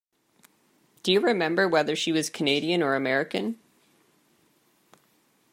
Do you remember whether she was Canadian or American?